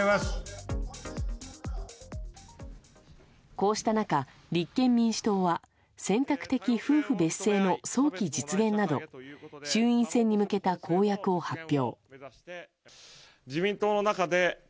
こうした中、立憲民主党は選択的夫婦別姓の早期実現など衆院選に向けた公約を発表。